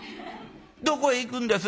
どこへ行くんです？